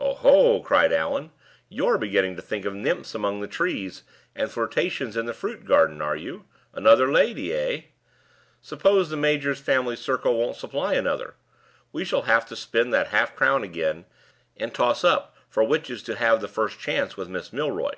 "Oho!" cried Allan, "you're beginning to think of nymphs among the trees, and flirtations in the fruit garden, are you? Another lady, eh? Suppose the major's family circle won't supply another? We shall have to spin that half crown again, and toss up for which is to have the first chance with Miss Milroy."